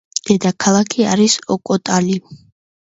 დედაქალაქი არის ოკოტალი.